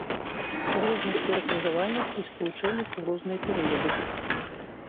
У розных перакрыжаваннях і спалучэннях у розныя перыяды.